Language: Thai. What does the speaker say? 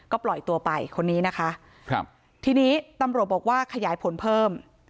ก็ปล่อยตัวไปคนนี้นะคะครับทีนี้ตำรวจบอกว่าขยายผลเพิ่ม